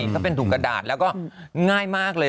ถ้าเป็นถุงกระดาษแล้วก็ง่ายมากเลย